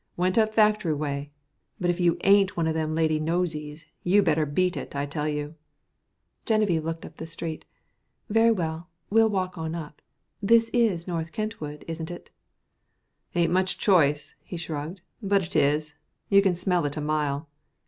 "Went up factory way. But if you ain't one of them lady nosies, you'd better beat it, I tell you." Genevieve looked up the street. "Very well, we'll walk on up. This is North Kentwood, isn't it?" "Ain't much choice," he shrugged, "but it is. You can smell it a mile.